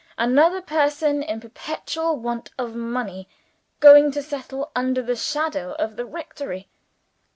Another person in perpetual want of money, going to settle under the shadow of the rectory!